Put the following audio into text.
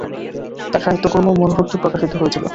তার সাহিত্যকর্ম মরণোত্তর প্রকাশিত হয়েছিল।